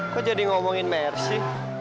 kok jadi ngomongin mercy